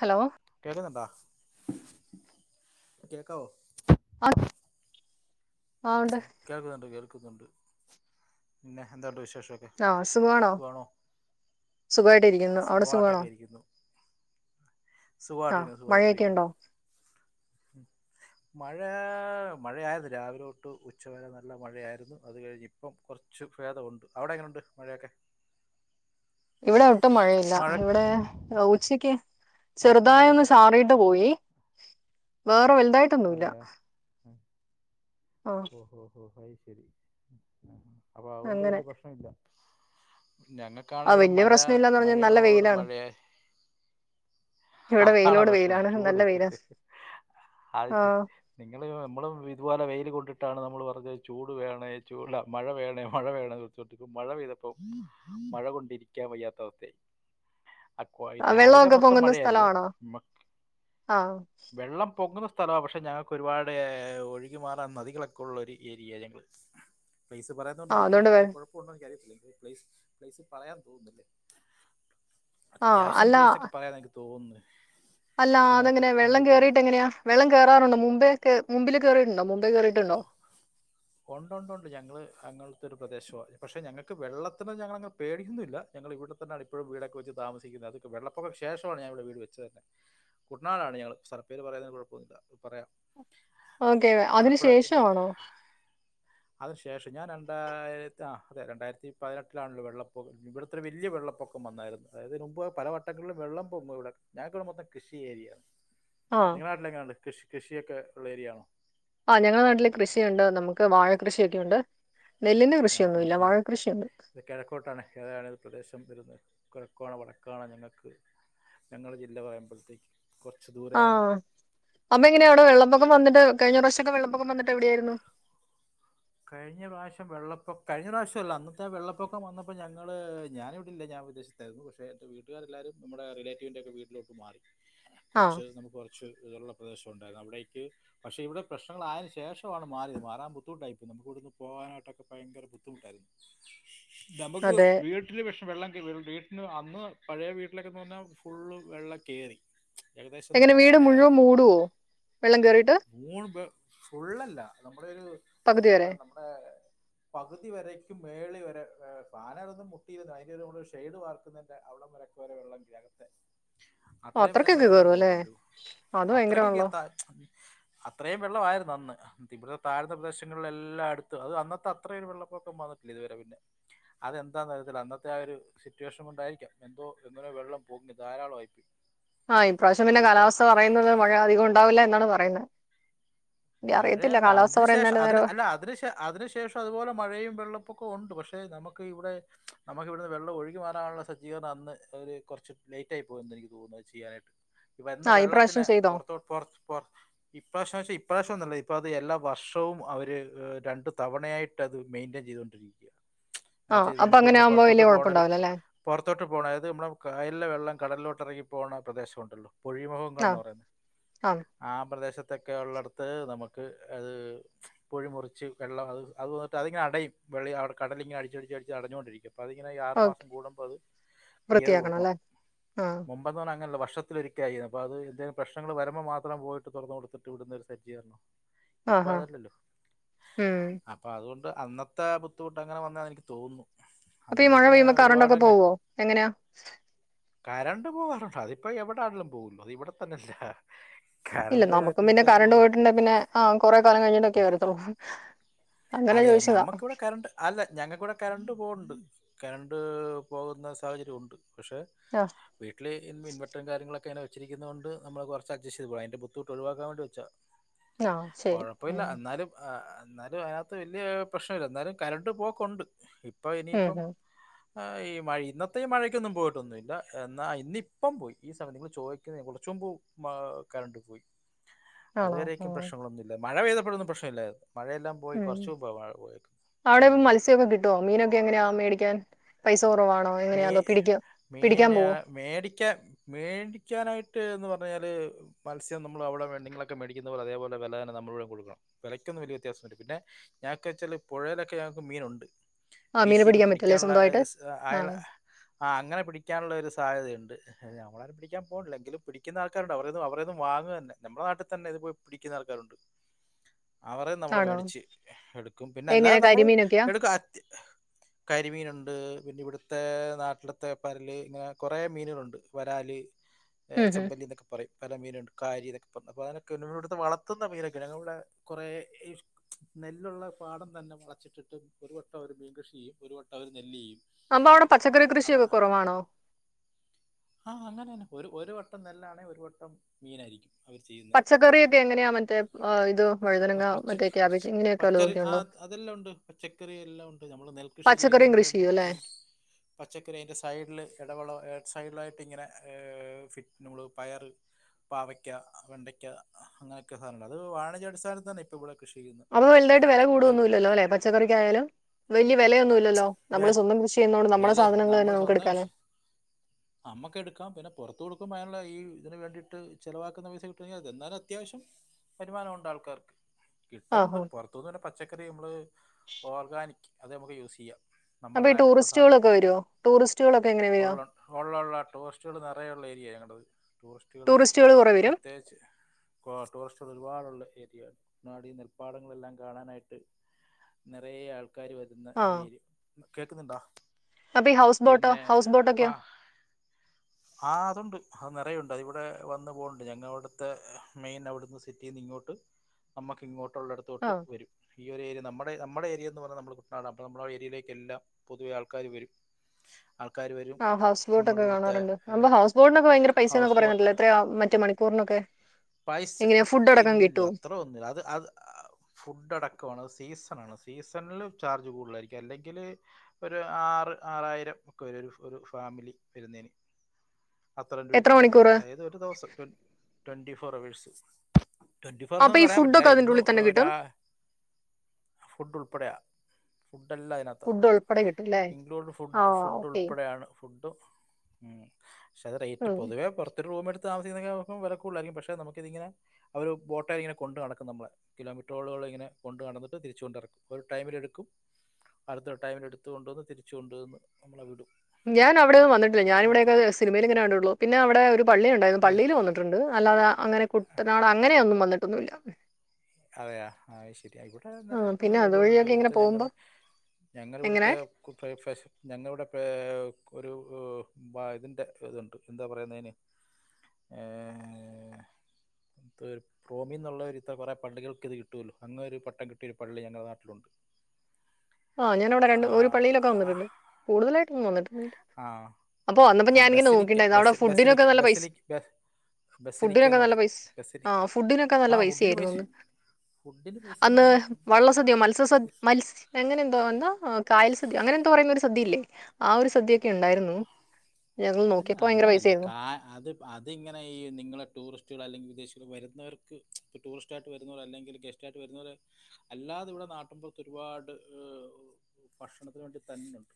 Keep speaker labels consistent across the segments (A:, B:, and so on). A: Hello
B: കേക്കുന്നോണ്ടൊ കേക്കാവൊ?
A: ആ ആ ഉണ്ട്
B: കേൾക്കുന്നുണ്ട് കേൾ ക്കുന്നുണ്ട് പിന്നെ എന്തോ ഉണ്ട് വിശേഷം?
A: ആ സുഖവാണോ? സുഖവായിട്ട് ഇരിക്കുന്നു. അവിടെ സുഖവാണോ?
B: സുഖമായിട്ടൊക്കെ ഇരിക്കുന്നു
A: ആ
B: സുഖമായിട്ടിരിക്കുന്നു സുഖമായിട്ടിരിക്കുന്നു
A: മഴയൊക്കെയുണ്ടോ?
B: മഴ മഴയായിരുന്നു രാവിലെ തൊട്ട് ഉച്ചവരെ നല്ല മഴയായിരുന്നു അത് കഴിഞ്ഞ് ഇപ്പം കുറച്ച് ഭേദം ഒണ്ട്. അവിടെ എങ്ങനൊണ്ട് മഴയൊക്കെ?
A: ഇവിടെ ഒട്ടും മഴയില്ല
B: മഴ
A: ഇവിടെ ആ ഉച്ചക്ക്
B: ഒട്ടും
A: ചെറുതായി ഒന്ന്
B: മഴയില്ല
A: ചാറീട്ട് പോയി. വേറെ വല്ല തായിട്ടൊന്നുല്ല.
B: അതെയോ ഓഹോ ഹോ ഹോ ഓയി ശരി ഉം അപ്പൊ അതുകൊണ്ട്
A: അങ്ങനെ
B: വലിയ പ്രശ്നം ഇല്ല ഞങ്ങക്കാണെ
A: ആ
B: ഇവിടെ
A: വലിയ
B: മഴ
A: പ്രശ്നം ഇല്ലാന്ന് പറഞ്ഞാ നല്ല
B: മഴയോട്
A: വെയിലാണ്
B: മഴയാ ആ
A: ഇവിടെ
B: [unintelligible]
A: വെയിലോട്
B: പ്രശ്നം
A: വെയിലാണ്
B: ചൂട്
A: നല്ല വെയിലാ
B: അത്
A: ആ
B: ശി നിങ്ങള് നമ്മളും ഇതുപോലെ വെയിൽ കൊണ്ടിട്ടാണ് നമ്മള് പറഞ്ഞത് ചൂട് വേണേ ചൂ മഴ വേണേ മഴ വേണ വച്ചോണ്ടിരിക്കുമ്പം മഴ പെയ്തപ്പോ മഴ കൊണ്ടിരിക്കാൻ വയ്യാത്ത അവസ്ഥയായി. അ ക്കൊ ഇ
A: ആ,
B: രാവിലെ
A: വെള്ളമൊക്കെ
B: മൊത്തം
A: പൊങ്ങുന്ന
B: മഴയായിരുന്നു
A: സ്ഥലമാണോ
B: മ്മ
A: ആ
B: വെള്ളം പൊങ്ങുന്ന സ്ഥലവാ പക്ഷെ ഞങ്ങക്ക് ഒരുപാടെ ഒഴുകി മാറാൻ നദികളൊക്കെ ഉള്ളൊരു ഏരിയ ഞങ്ങെള് പൈസ പറയന്നൊണ്ട്
A: ആ
B: ബുത്തു
A: അതുകൊണ്ട്
B: ഇ
A: വെ-
B: കൊഴപ്പൊന്നു എനിക്കറിയത്തില്ല പ്ലേസ് പ്ലേസ് പറയാൻ തോന്നുന്നില്ലേ
A: ആഹ് അല്ലാ
B: തോന്ന്ന്ന്
A: അല്ല അതെങ്ങനെ വെള്ളം കേറീട്ട് എങ്ങനെയ വെള്ളം കേറാറുണ്ടൊ മുമ്പ് കേ മുമ്പില് കേറിയിട്ടുണ്ടോ മുമ്പേ കേറിയിട്ടുണ്ടോ?
B: ഒണ്ട്ണ്ട്ണ്ട് ഞങ്ങള് അങ്ങൾത്തൊരു പ്രദേശവാ പക്ഷെ ഞങ്ങക്ക് വെള്ളത്തിന് ഞങ്ങളങ്ങ് പേടിക്കൊന്നുല്ല ഞങ്ങൾ ഇവിടെ തന്നാണ് ഇപ്പോഴും വീടൊക്കെ വെച്ച് താമസിക്കുന്നത് അത് ക്ക് വെള്ളപ്പൊക്ക ശേഷമാണ് ഞാൻവടെ വീട് വെച്ചതന്നെ. കുട്ട്നാടാണ് ഞങ്ങള് സ്ഥലപ്പേര് പറയുന്നത് കുഴപ്പൊന്നിൺല്ല.
A: ഓക്കെ അതിന് ശേഷ ആണോ
B: അതിന് ശേഷം ഞാൻ രണ്ടായിരത്തി ആ അതെ രണ്ടായിരത്തി പതിനെട്ടിലാണല്ലോ വെള്ളപ്പൊക്കം ഇവിടത്തെ ഒരു വലിയ വെള്ളപ്പൊക്കം വന്നായിരുന്നു അതായത് മുമ്പ് പലവട്ടങ്ങളിലും വെള്ളം പൊങ്ങും ഇവിടെ. ഞങ്ങക്കിവിടെ മൊത്തം കൃഷി ഏരിയാ.
A: ആ
B: നിങ്ങളെ നാട്ടിലെങ്ങെനെയ്ണ്ട് കൃഷ് കൃഷിയൊക്കെ ഉള്ള ഏരിയാണോ?
A: ആഹ് ഞങ്ങളെ നാട്ടില് കൃഷിയുണ്ട് നമുക്ക് വാഴ കൃഷിയൊക്കെയുണ്ട്. നെല്ലിന്റെ
B: ഹാ ഹാ
A: കൃഷിയൊന്നുമില്ല.
B: ഹേ
A: വാഴ കൃഷിയുണ്ട്.
B: ഇത് കെഴക്കോട്ടാണ്. ഏതാണ് പ്രദേശം ഇത് വരുന്നത് കൊഴക്കാണോ വടക്കാണോ ഞങ്ങൾക്ക് ഞങ്ങളെ ജില്ല പറയുമ്പഴ്ത്തേക്കും
A: ആഹ് അപ്പ എങ്ങനെയാ അവിടെ വെള്ള പൊക്കം വന്നിട്ട് കഴിഞ്ഞറാശ് ക്കെ വെള്ളപൊക്കം വന്നിട്ട് എവിടെയായിരുന്നു?
B: കഴിഞ്ഞ പ്രാവശ്യം വെള്ളപ്പൊം കഴിഞ്ഞ പ്രാവശ്യമല്ല അന്നത്തെ വെള്ളപ്പൊക്കം വന്നപ്പോ ഞങ്ങള് ഞാനിവിട ഇല്ല. ഞാൻ വിദേശത്തായിരുന്നു. പക്ഷെ ന്റെ വീട്ടുകാരെല്ലാരും നമ്മുടെ റിലേറ്റീവിന്റെ ഒക്കെ വീട്ടിലോട്ട് മാറി.
A: ആ
B: കൊറച്ച് നമുക്ക് കൊറച്ച് [unintelligible] പ്രദേശം ഉണ്ടായിരുന്നു. അവിടേക്ക് പക്ഷെ ഇവിടെ പ്രശ്നങ്ങളായതിന് ശേഷവാണ് മാറിയത് മാറാൻ ബുദ്ധിമുട്ടായി. നമുക്കിവ്ടെന്ന് പോകാനായിട്ടൊക്കെ ഭയങ്കര ബുദ്ധിമുട്ടായിരുന്നു. നമുക്ക്
A: അതെ.
B: വീട്ടില് പഷെ വെള്ളത്തി വീണു വീട്ടിന് അന്ന് പഴയ വീട്ടിലൊക്കന്ന് പറഞ്ഞാൽ ഫുള്ള് വെള്ളം കേറി
A: എങ്ങനെ വീട് മുഴുവൻ മൂടുവോ വെള്ളം കേയറിട്ട്
B: മൂന്ന് ഫുള്ളല്ല നമ്മുടെ ഒരു- എന്താ
A: വരെ?
B: പറയാ നമ്മടെ പകുതി വെരെക്കും മേളി വരെ ഫാനെലൊന്നും മുട്ടിയിരുന്നു അതിൻ്റെരു ഷെയ്ഡ് വാർക്കുന്നതിന്റെറെ അവിടെവരെ വെള്ളം കേറി
A: ഓ
B: അത്രയും വരെയൊക്കെ
A: അത്രക്കൊക്കെ
B: വെള്ളം
A: കേറും അല്ലേ?
B: പോയിട്ടുണ്ട്
A: അത്
B: അത്രക്ക്
A: ഭയങ്കരമാണല്ലോ.
B: കേത അത്രയും വെള്ള ആയിരുന്നു അന്ന് ഇവിടത്തെ താഴത്തെ പ്രദേശം പിന്നുള്ള എല്ലാടത്തും അത് അന്നത്തെ അത്ര ഒരു വെള്ളപ്പൊക്കം വന്നിട്ടില്ല ഇതുവരെ പിന്നെ അതെന്താന്ന് അറിയത്തില്ല അന്നത്തെ ആ ഒരു സിറ്റുവേഷൻ കൊണ്ടായിരിക്കാം എന്തോ എങ്ങനോ വെള്ളം പോങ്ങി ധാരാളം ആയിപോയി
A: ആഹ ഇപ്രാവശ്യം പിന്നെ കാലാവസ്ഥ പറയുന്നത് മഴ അധികം ഉണ്ടാവില്ല എന്നാണ് പറയുന്നേ
B: മഴയല്ല അതിനു ശേഷം
A: പറയുന്നതിന്റെ
B: അതിന്
A: നേരെ
B: അല്ല അതിന് ശ അതിനു ശേഷം അതുപോലെ മഴയും വെള്ളപ്പൊക്കെ ഉണ്ട് പക്ഷെ പക്ഷേ നമുക്ക് ഇവിടെ നമ്മുക്ക് ഇവിടുന്ന് വെള്ളം ഒഴുകി മാറാനുള്ള സജ്ജീകരണം അന്ന് അവർ കുറച്ച് ലേറ്റായി പോയെന്ന് എനിക്ക് തോന്നുന്നു ചെയ്യാനായിട്ട് വരുന്ന
A: ആ ഈ പ്രാവശ്യം
B: വെള്ളത്തിന്
A: ചെയ്തോ?
B: പൊറത്തോ പൊറത്ത പൊറ ഇപ്രാവശ്യം ഇ അപ്രാവശ്യംന്നുമല്ല ഇപ്പ അത് എല്ലാ വർഷവും അവര് രണ്ടു തവണയായിട്ട് അത് മെയിൻ്റെയിൻ ചെയ്തുകൊണ്ടിരിക്കുകയാണ് അ
A: ആ
B: ചെയ്ത്
A: അപ്പൊ
B: നമുക്ക്
A: അങ്ങനെ
B: ഇവിടുന്ന്
A: ആകുമ്പോ
B: പുറത്തോട്ട്
A: വലിയ
B: പോകണ ഒരു
A: കുഴപ്പമുണ്ടാവില്ല അല്ലേ?
B: പൊറത്തോട്ട് പോകണം അതായത് ഇമ്മടെ കായലിലെ വെള്ളം കടലിലോട്ട് ഇറകി പോണ പ്രദേശമുണ്ടല്ലോ
A: ആ
B: പുഴിമുഖങ്ങളെന്ന് പറയുന്നത് ആ പ്രദേശത്ത് തെക്കെള്ളട് അത് നമുക്ക് അത് പുഴി മുറിച്ച് വെള്ളം അത് അത് ന്നിട്ട് അതിങ്ങനെ അടയും വെള്ളം അവിടെ കടലിങ്ങനെ അടിച്ചടിച്ച് അടിച്ച് അടഞ്ഞോണ്ടിരിക്കും അതിങ്ങനെ ആറ്
A: ഓക്കെ.
B: മാസം കൂടുമ്പത് ക്ലിയറെയ്ത്
A: വൃത്തിയാക്കണം
B: കൊടുക്കണം
A: അല്ലേ? ആ
B: മുമ്പ്ന്നർ ഞ്ഞ അങ്ങനല്ല ഭഷ് ത്തിലൊരിക്കക്കായിരുന്നു അത് എന്ത പ്രശ്നങ്ങൾ വരുമ്പോൾ മാത്രം പോയിട്ട് തുറന്ന കൊടുതിട്ട് വിടുന്ന [unintelligible]
A: ആ
B: ഇപ്പൊ
A: ആ
B: അതല്ലല്ലോ
A: ഉം.
B: അപ്പൊ അതുകൊണ്ട് അന്നത്തെ ബുധിമുട്ട് അങ്ങനെ വന്നാ എനിക്ക് തോന്നുന്നു
A: അപ്പൊ ഈ
B: അന്ന്
A: മഴ
B: പിന്നെ
A: പെയ്യുമ്പോ കറണ്ടൊക്കെ
B: ഒരുപാടങ്ങ്
A: പോവോ എങ്ങനെ
B: കരണ്ട് പോവാറുണ്ട് അതിപ്പോ എവിടൊണങ്കിലും പോകും അത് ഇവിടെ തന്നെല്ല
A: ഇല്ല നമുക്കും പിന്നെ കറണ്ട് പോ പിന്നെ പിന്നെ ആ കൊറെ കാലം കഴിഞ്ഞിട്ടൊക്കെ വരത്തുള്ളൂ അങ്ങനെ
B: അതെ
A: ചോദിച്ചതാ
B: ഞമ്മക്ക്‌വ്ടെ കറണ്ട് അല്ല ഞങ്ങക്കൂവിടെ കറണ്ട് പോകണ്ട് കരണ്ട് പോകുന്ന സാഹചര്യണ്ട് പക്ഷെ
A: ആ
B: വീട്ടില് ഇ ഇൻവെർട്ടറും കാര്യങ്ങളുക്കെ വച്ചിരിക്കുന്നോണ്ട് നമ്മള് കുറച്ച് അഡ്ജെസ്റ്റ് പോവാ അതിന്റെ ബുദ്ധിമുട്ട് ഒഴിവാക്കാൻ വേണ്ടി വച്ചാ
A: ആ ശരി
B: കൊഴപ്പില്ല
A: ഉം
B: എന്നാലും ആഹ് എന്നാലും അ വലിയ പ്രശ്നല്ല എന്നാലും കരണ്ട് പോക്കുണ്ട് അപ്പൊ
A: ഉം
B: ഇനിയിപ്പം
A: ഉം.
B: ആ ഈ മഴ ഇന്നത്തെ മഴക്കൊന്നും പോയിട്ടൊന്നുമല്ല എന്നാ ഇന്നിപ്പം പോയി ഈ സമയത്ത് നിങ്ങൾ ചോദിക്കുന്ന കുറച്ചും കറണ്ട് പോയി
A: ആണോ
B: അത്വരേക്കും
A: ഉം
B: പ്രശ്നങ്ങളൊന്നുല്ല മഴ പെയ്തപ്പെന്നും പ്രശ്നമല്ല മഴ
A: ഉം
B: പോയേക്കുന്നത്.
A: അവിടെ
B: ഉം.
A: ഇപ്പ മത്സ്യമൊക്കെ കിട്ടുവോ മീനൊക്കെ എങ്ങനെയാ മേടിക്കാൻ പൈസ കുറവാണോ
B: മീ
A: എങ്ങനെയാ അതോ പിടിക്ക
B: മീന
A: പിടിക്കാൻ പോവോ
B: മേടിക്കാൻ മേടിക്കാനായിട്ട് എന്ന് പറഞ്ഞ പറഞ്ഞ കഴിൽ മത്സ്യം നമ്മൾ അവിടെ നിങ്ങളൊക്ക മേടിക്കുന്ന പോല അതേപോലെ വില തന്ന നമ്മൂടെ കൊടുക്കണം വിലക്കൊ വലിയ വ്യത്യാസമില്ല പിന്നെ ഞൾക്ക വെച്ചൽ പുഴയിലൊക്കെ ഞങ്ങക്ക് മീനുണ്ട്
A: ആ മീനെ പിടിക്കാൻ പറ്റുല്ലെ സ്വന്തായിട്ട്
B: [unintelligible] അയാള് ആഹ് അങ്ങനെ പിടിക്കാൻ ഉള്ളൊരു സാധ്യതയുണ്ട്. ണ്ട് ങ് നമ്മളാരും പിടിക്കാൻ പോണില്ല എങ്കിലും പിടിക്കുന്ന ആൾക്കാരിണ്ടാകും അവർഡെ അവർടെന്ന് വാങ്ങന്നെ നമ്മടെ നാട്ടിൽ തന്നെ ഇത് പെ പിടിക്കുന്ന ആൾക്കാര്ണ്ട് അവർടെന്ന് നമ്മൾ
A: ആണോ
B: മേടിച്ച് എടുക്കും പിന്നെ
A: എങ്ങനെ
B: അല്ലാതെ നമ്മള്
A: കരിമീനൊക്കെയാ
B: എടുക്കും അ കരിമീന് ഇണ്ട് പിന്നെ ഇവിടുത്തെ നാട്ടിലത്തെ പരൽ പിന്നെ കുറെ മീനുകള്ണ്ട് വരാല്
A: ഉം ഉം
B: ചെമ്പല്ലിന്നൊഒക്കെ പറയും പല മീനുണ്ട് കാരിന്നൊക്കെ [unintelligible] വളർത്തുന്ന മീനൊക്കെ ഞങ്ങടെവിടെ കൊറെ നെല്ലുള്ള പാടം തന്നെ വളച്ചിട്ടിട്ട് ഒരു വട്ടം അവർ മീൻ കൃഷി ചെയ്യും ഒരു വട്ടം അവർ നെല്ല് ചെയ്യും
A: സമ്പവവിടെ പച്ചക്കറി കൃഷി
B: അപ്പൊ
A: ഒക്കെ കൊറവാണോ?
B: ആ അങ്ങനെ തന്നെ. ഒരു വട്ടം നെല്ല് ആണേ ഒരു വട്ടം മീനായിരിക്കും അവർ ചെയ്യുന്നേ
A: പച്ചക്കറിയൊക്കെ എങ്ങനെയാ മറ്റേ ആ, ഇത് വഴുതനങ്ങ മറ്റേ ക്യാബേജ് ഇങ്ങനെയൊക്കെ
B: പച്ച
A: വല്ലതൊക്കെ ഉണ്ടോ
B: [unintelligible] അതെല്ലാം ഉണ്ട് പച്ചക്കറി എല്ലാമുണ്ട് നമ്മൾ നെല്ല് കൃഷി
A: പച്ചക്കറിയും
B: ചെയ്യുന്നേന്റേ
A: കൃഷി ചെയ്യും അല്ലേ
B: പച്ചക്കറി അതിൻ്റെ സൈഡില് ഇടവെള സൈഡ്ലായിട്ട് ഇങ്ങനെ [unintelligible] നമ്മൾ പയർ, പാവക്ക, വെണ്ടയ്ക്ക അങ്ങനൊക്കെ സാധനമുണ്ട് അതൊക്കെ വാണിജ്യ അടിസ്ഥാനത്തിൽതന്ന ഇപ്പൊ ഇവിടെ കൃഷി ചെയ്യുന്നത്
A: അവ വലുതായിട്ട് വെല
B: വിൽ-
A: കൂടോന്നും ഇല്ലല്ലോ പച്ചക്കറിക്കായാലും വല്യയ വെലയൊന്നും ഇല്ലല്ലോ നമ്മടെ
B: വേ-
A: സ്വന്തം കൃഷി ചെയ്യുന്നോണ്ട് നമ്മടെ
B: വേലേ
A: സാധനങ്ങൾ തന്നെ
B: നമ്മൾ
A: നമ്മക്ക്
B: സ്വന്തം
A: എടുക്കാലേ
B: കൃഷി ത്തു കൊടുക്കുമ്പോ അയിനുള്ള ഇ ഇതിന് വേണ്ടിട്ട് ചിലവാക്കുന്ന പൈസക്കിട്ടുങ്കി അത് എന്നാലും അത്യാവിശം വരുമാനം ഉണ്ട് ആൾക്കാർക്ക് കിട്ടളുണ്ട്
A: ആഹാ
B: പൊർത്തുന്ന് തന്നെ പച്ചക്കറി നമ്മള് ഓർഗാനിക് അത് നമ്മക്ക് യുസെയ്യാം
A: അപ്പൊ ഈ
B: നമ്മളെതായിട്ടുള്ള സാനം
A: ടൂറിസ്റ്റുകളൊക്കെ വരുവോ ടൂറിസ്റ്റുകളൊക്കെ എങ്ങനെ വരിക
B: ഒള് ഒള്ളോള്ള ട്ടോസ്റ്റ്കള് നറയെള്ള ഏരിയ ഞങ്ങടെത് ടൂറിസ്റ്റുകൾ
A: കുറെ വരും
B: പ്രത്യേകിച്ച് ടൂറിസ്റ്റുകൾ ഒരുപാട് ഉള്ള ഏരിയാ [unintelligible] നെൽ പാടങ്ങളെല്ലാം കാണാനായിട്ട് നിറയെ കാര് വരുന്ന
A: ആ
B: ഏരിയ കേൾക്കുന്നുണ്ടോ
A: അപ്പൊ ഈ ഹൗസ് ബോട്ടോ
B: പിന്നെ
A: ഹൗസ്
B: അപ്പൊ
A: ബോട്ടൊക്കെയോ
B: ആ അതുണ്ട് അത് നിറയെ ഉണ്ട് അത് ഇവിടെ വന്ന് പൊവ്ണ്ട് ഞങ്ങ ഇവിടുത്തെ മെയിൻ അവിട്ന്ന് സിറ്റിന്നിങ്ങോട്ട് അമ്മക്കിങ്ങോട്ട്
A: ആ
B: ഉള്ളടത്തോട്ട് വരും ഈ ഒരു ഏരിയ നമ്മ നമ്മടെ ഏരിയന്ന് പർഞ്ഞ നമ്മളെ കുട്ടനാടാ അപ്പൊ നമ്മള ആ ഏരിയയിലേക്ക് എല്ലാം പൊതുവെ ആൾക്കാർ വരും ആൾക്കാർ വരും
A: ആഹ് ഹൗസ്ബോട്ട് ഒക്കെ
B: നമ്മളിവിടുത്തെ
A: കാണാറുണ്ട് ഹമ്പ ഹൗസ്ബോട്ട്നൊക്കെ ഭയങ്കര പൈസയാന്ന്
B: ഹൗസ്
A: ഒക്കെ പറയുന്നേ
B: ബോട്ട്
A: കേട്ടല്ലോ എത്രയാ മറ്റേ മണിക്കൂറിനൊക്കെ
B: പൈസ
A: എങ്ങനെയാ ഫുഡ് അടക്കം
B: ഇല്ലില്ല
A: കിട്ടുവോ
B: അത്രയൊന്നുല്ല അത് അത് ഫുഡ് അടക്കം ആണ് സീസ് [unintelligible] സീസൺ ലൂ ചാർജ് കൂടുതൽ ആരിക്കും അല്ലെങ്കിൽ ഒരു ആറ് ആറായിരം ഒക്കെ വരും ഒരു ഫാമിലി വരുന്നേനു അത്രേം
A: എത്ര
B: രൂപയ്ക്കൊക്കെ കിട്ടും
A: മണിക്കൂർ
B: അതായത് ഒരു ദിവസം ട്വൻ്റിഫൗ ഫോർ ആവേഴ്സ് ട്വന്റി
A: അപ്പൊ
B: ഫോർന്ന്
A: ഈ
B: പറയാൻ പറ്റില്ല
A: ഫുഡൊക്കെ അതിന്റെ
B: ഇന്ന്
A: ഉള്ളിൽ തന്നെ
B: ഒരാ
A: കിട്ടും
B: ഫുഡ് ഉൾപ്പെടെയാ ഫുഡ് എല്ലാം അതിനാത്താ
A: ഫുഡ് ഉൾപ്പെടെ കിട്ടും അല്ലേ
B: ഇൻക്ലൂഡ്
A: ആ
B: ഫുഡ് ഫുഡ്
A: ഓക്കെ
B: ഉൾപ്പെടെയാണ് ഫുഡ് പക്ഷെ അത് റേറ്റ്
A: ഉം
B: പൊതുവേ പുറത്തൊരു റൂമെടുത്ത്- താമിസിക്കുന്ന ഒക്കെ ദിവസം വെലക്കൂടുതലായിരിക്കും പക്ഷേ- നമുക്കിതിങ്ങനെ അവര് ബോട്ടേല് ഇങ്ങനെ കൊണ്ട് നടക്കും നമ്മളെ. കിലോമീറ്ററുകളോളം ഇങ്ങനെ കൊണ്ട് നടന്നിട്ട് തിരിച്ചു കൊണ്ട് എറക്കും. ഒരു ടൈമിലെടുക്കും. അടുത്തൊരു ടൈമിലെടുത്തു കൊണ്ടുവന്ന് തിരിച്ചു കൊണ്ടുവന്ന് നമ്മളെ വിടും
A: ഞാൻ അവിടൊന്നും വന്നിട്ടില്ല ഞാൻ ഇവിടെക്കെത് സിനിമയിൽ ഇങ്ങന കണ്ടിട്ടുള്ളൂ. പിന്നെ അവിടെ ഒരു പള്ളി ഉണ്ടായിരുന്നു പള്ളിയില് വന്നിട്ടുണ്ട് അല്ലാതെ അങ്ങനെ കുട്ടനാട് അങ്ങനെയൊന്നും വന്നിട്ടൊന്നുല്ല
B: അതെയാ ആ ശരി ഇവിടെ
A: ആ,
B: നിറയെ
A: പിന്നെ
B: പള്ളികള് ഒരുപാടുണ്ട്
A: അതുവഴിയൊക്കെ ഇങ്ങനെ
B: ഇവിടുത്തെ ഞങ്ങടെ
A: പോകുമ്പം
B: ഞങ്ങടെ
A: എങ്ങനെ
B: ഇവിടുത്തെ [unintelligible] ഞങ്ങടെ ഇവിടെ പേ ഒരു ഇതിൻ്റെ ഇതുണ്ട് എന്താ പറയുന്ന അതിന് ഏ എന്തൊരു റോമിന്നുള്ള ഒരു എന്നുള്ള ഇതാ കൊറേ പള്ളികൾക്കിത് കിട്ടൂലോ. അങ്ങനെ ഒരു പട്ടം കിട്ടിയൊരു പള്ളി ഞങ്ങളുടെ നാട്ടിലുണ്ട്.
A: ആ ഞാനവിടെ രണ്ട്
B: ആ
A: ഒരു പള്ളിയിലൊക്കെ
B: ആ
A: വന്നിട്ടുണ്ട്. കൂടുതലായി ട്ട് വന്നിട്ടൊന്നൂല്ല.
B: ആ
A: അപ്പ വന്നപ്പോ
B: ആ
A: ഞാനിങ്ങനെ
B: ബസലിക്ക
A: നോക്കിയിട്ട്
B: ബസ് ബസലിക്ക ബസലിക്ക ബ ബസലിക്ക എന്ന് പറയും ബസലി ആ ഫുഡിന് പൈസ ഫുഡിന് പൈസ എന്ന് പറഞ്ഞാൽ ഫുഡ് ഇപ്പോൾ ഇവിടെ
A: എന്തോന്നാ. കായൽ സദ്യ അങ്ങനെ എന്തോ പറയുന്ന ഒരു സദ്യയില്ലേ ആ ഒരു സദ്യൊക്കെ ഉണ്ടായിരുന്നു ഞങ്ങൾ
B: അല്ല
A: നോക്കിയപ്പോ ഭയങ്കര
B: അങ്ങനല്ല
A: പൈസയായിരുന്നു.
B: കാ അത് അതിങ്ങനെ ഈ നിങ്ങളെ ടൂറിസ്റ്റുകൾ അല്ലെങ്കി വിദേശികള് വരുന്നവർക്ക് ഇപ്പ ടൂറിസ്റ്റായിട്ട് വരുന്നവർ അല്ലെങ്കിൽ ഗെസ്റ്റായിട്ട് വരുന്നവർ അല്ലാതെ ഇവിടെ നാട്ടിൻ പുറത്ത് ഒരുപാട് ഭക്ഷണത്തിന് വേണ്ടി തന്നെ ഉണ്ട്.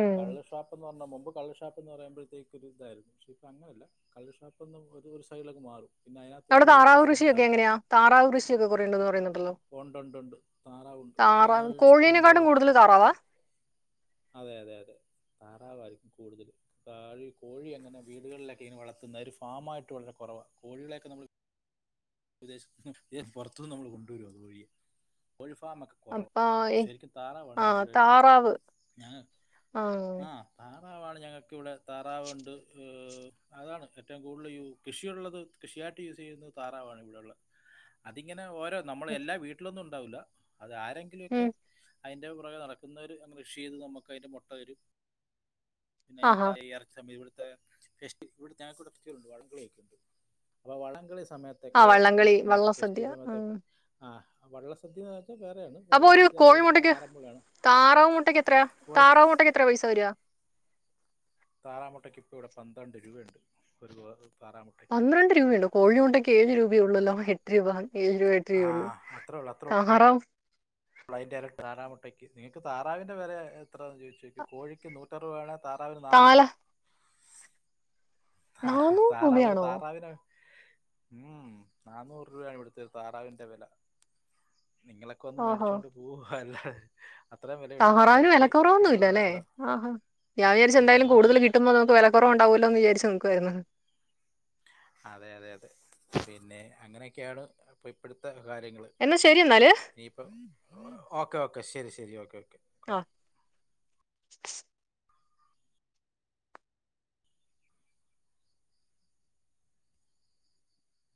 A: ഉം.
B: കള്ള് ഷാപ്പ് എന്ന് പറഞ്ഞ മുമ്പ് കള്ള് [unintelligible] ഷാപ്പ്ന്ന് പറയുമ്പോഴത്തേക്ക് ഒരു ഇതായിരുന്നു. പക്ഷേ ഇപ്പ അങ്ങനല്ല കള്ള്ഷാപ്പ് ഇത് ഒരു സൈഡിലങ്ങ് മാറും പിന്നെ അതിനകത്ത്
A: അവിടെ
B: ഫുള്ള്
A: താറാവ് കൃഷിയൊക്കെ
B: ഫുഡാണ്
A: എങ്ങനെയാ? താറാവ്കൃഷിയൊക്കെ കുറേണ്ടന്ന് പറയുന്നുണ്ടല്ലോ.
B: ഉണ്ട് ഉണ്ട് ഉണ്ട് താറാവുണ്ട് താറാവ് ഇഷ്ടം
A: കോഴീനെക്കാട്ടും
B: പോലെ
A: കൂടുതൽ താറാവാ
B: അതെ അതെ അതെ താറാവായിരിക്കും കൂടുതലും. താഴി കോഴി അങ്ങനെ വീടുകളിലൊക്കെ ഇങ്ങനെ വളർത്തുന്ന ഒരു ഫാമായിട്ട് വളരെ കുറവാ. കോഴികളെയൊക്കെ നമ്മള് വിദേശത്തു നിന്നും പുറത്തു നിന്നും നമ്മൾ കൊണ്ടുവരാ കോഴിയേ കോഴി ഫാമൊക്കെ കുറവാ
A: അപ്പൊ ഈ
B: ശരിക്കും താറാവാണ്
A: ആ
B: ഞങ്ങക്ക്
A: താറാവ്
B: [unintelligible] ഞങ്ങ ആ താ റാവാണ് ഞങ്ങക്കിവിടെ താറാവുണ്ട് അതാണ് ഏറ്റവും കൂടുതൽ യൂ കൃഷിയുള്ളത് കൃഷിയായിട്ട് യൂസ് ചെയ്യുന്നത് താ റാവാണ് ഇവിടെയൊള്ളെ. അതിങ്ങനെ ഓരോ നമ്മൾ എല്ലാ വീട്ടിലൊന്നുംണ്ട് ഉണ്ടാവൂല അത് ആരെങ്കിലും ഒക്കെ
A: ഉം
B: അതിൻ്റെ പുറകെ നടക്കുന്നവർ കൃഷി ചെയ്ത് നമുക്ക് അതിൻ്റെ മുട്ട തരും പിന്നെ അതിനാത്ത
A: ആഹാ
B: ഇറച്ചി [unintelligible] ഇവിടു ത്ത് കൃഷി ഇവിടത്ത് ഞങ്ങക്ക് ഇവിടെ കൃഷികളുണ്ട് വള്ളംകളി ഒക്കെയുണ്ട്. അപ്പെ വളളംകളി സമയത്ത് ത
A: ആ വള്ളംകളി വള്ളം സദ്യ
B: ഫേസ്റ്റിവൽ സയ ത
A: ഉം.
B: ആ [unintelligible] ആ വള്ളല സദ്യ [unintelligible]
A: അപ്പൊ ഒരു കോഴിമ മുട്ടയ്ക്ക് താറാവ് മുട്ടക്ക് എത്രയാ
B: കോഴ
A: താറാവ് മുട്ടയ്ക്ക് എത്ര പൈസ വരിക
B: താറാമുട്ടക്ക് ഇപ്പ ഇവിടെ പന്ത്രണ്ട് രൂപയുണ്ട് ഒരു താറാമുട്ടയ്ക്ക്
A: പന്ത്രണ്ട് രൂപയുണ്ടോ കോഴി മുട്ടക്ക് ഏഴ് രൂപയുള്ളല്ലോ [unintelligible] ഏഴുരൂപ എട്ട്
B: ആ
A: രൂപ ഉള്ളൂ താറാവ്
B: [unintelligible] തറാമുട്ടയ്ക്ക് നിങ്ങക്ക് താറാവിന്റെ വില എത്രാന്ന് ചോദിച്ചു നോക്കിക്കേ കോഴിക്ക് നൂറ്റി [unintelligible] താറാവിന്
A: താല
B: നാന്നൂറാ ആഹാ
A: നാനൂറ്
B: താറാവ്, ഒരു
A: രൂപയാണോ
B: താറാവിനെ ഉം നാന്നൂറ് രൂപയാണ് ഇവിടത്തെ താറാവിന്റെ വില നിങ്ങളൊക്കെ ഒന്ന് മേടി
A: ആഹാ
B: ചുണ്ട് പൂ പോലെ ഹ്
A: താറാവിന് വിലക്കുറവൊന്നു ഇല്ലാല്ലേ
B: സ്ഥലം
A: ആഹാ ഞാൻ
B: ഏ
A: വിചാരിച്ചുഎന്തായാലും കൂടുതൽ
B: അങ്ങനൊന്നുമില്ല
A: കിട്ടുമ്പോ നമുക്ക് വില കുറവ് ഉണ്ടാവല്ലോന്ന് വിചാരിച്ച് നിക്കുവാര്ന്ന്
B: അതെ അതെ അതെ പിന്നെ അങ്ങനെയൊക്കെയാണ് ഇപ്പൊ ഇപ്പഴത്തെ കാര്യങ്ങള്
A: എന്നാ ശരി എന്നാല്
B: ഇനിയിപ്പം ഓക്കേ ഓക്കേ ശരി ശരി ശരി ഒക്കെ
A: ആ